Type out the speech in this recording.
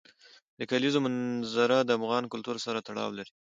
د کلیزو منظره د افغان کلتور سره تړاو لري.